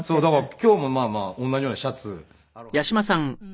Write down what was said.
今日もまあまあ同じようなシャツアロハみたいな。